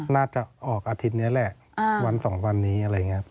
น่าจะออกอาทิตย์นี้แหละวันสองวันนี้อะไรอย่างนี้